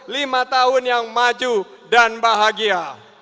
lima tahun yang maju dan bahagia